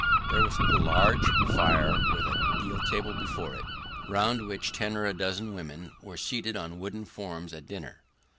There was a large fire with a deal table before it, round which ten or a dozen women were seated on wooden forms at dinner.